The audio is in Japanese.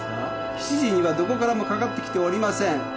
７時にはどこからも掛かってきておりません！